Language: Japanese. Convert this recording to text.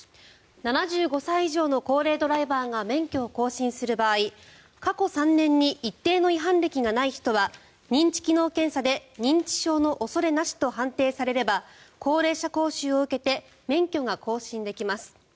７５歳以上の高齢ドライバーが免許を更新する場合過去３年に一定の違反歴がない人は認知機能検査で認知症の恐れなしと判定されれば高齢者講習を受けて免許が更新できます。